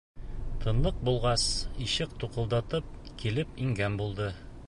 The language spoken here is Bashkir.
Тынлыҡ булғас, ишек туҡылдатып килеп ингән булды.